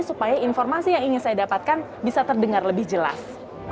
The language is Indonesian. supaya informasi yang ingin saya dapatkan bisa terdengar lebih jelas